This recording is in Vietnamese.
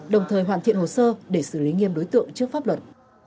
đồng thời hoàn thiện hồ sơ để xử lý nghiêm đối tượng trước pháp luật